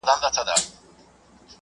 مانا د غږ له بدلون سره بدلېږي.